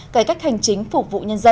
cải cách hành chính phục vụ nhân dân